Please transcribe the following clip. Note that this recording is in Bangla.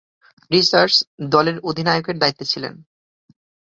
রিচার্ডস দলের অধিনায়কের দায়িত্বে ছিলেন।